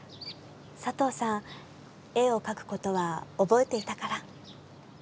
サトウさん絵を描くことは覚えていたから。